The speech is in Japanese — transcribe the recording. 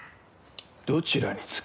どちらにつく？